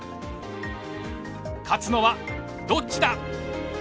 勝つのはどっちだ！？